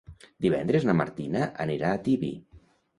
Divendres na Martina anirà a Tibi.